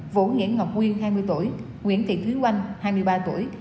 vũ nghĩa ngọc nguyên hai mươi tuổi nguyễn thị thúy oanh hai mươi ba tuổi